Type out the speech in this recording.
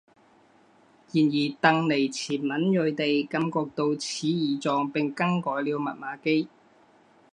然而邓尼兹敏锐地感觉到此异状并更改了密码机。